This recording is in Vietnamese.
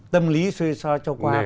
tâm lý xê xoa cho qua